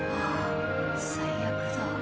最悪だ。